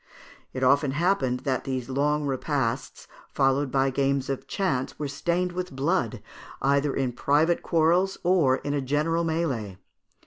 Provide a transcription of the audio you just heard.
It often happened that these long repasts, followed by games of chance, were stained with blood, either in private quarrels or in a general mêlée.